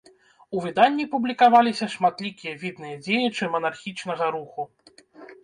У выданні публікаваліся шматлікія відныя дзеячы манархічнага руху.